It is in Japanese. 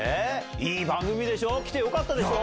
いい番組でしょ来てよかったでしょ？